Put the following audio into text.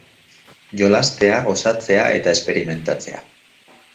Jolastea, gozatzea eta esperimentatzea.